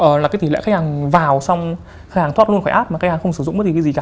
ờ là cái tỉ lệ khách hàng vào xong khách hàng thoát luôn khỏi app mà khách hàng không sử dụng bất kì cái gì cả